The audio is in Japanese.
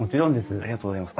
ありがとうございます。